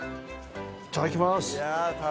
いただきます。